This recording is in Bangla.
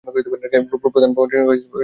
প্রধান ভবনটির রং সাদা।